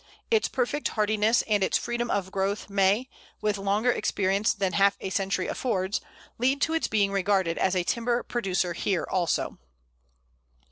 Its perfect hardiness and its freedom of growth may, with longer experience than half a century affords, lead to its being regarded as a timber producer here also.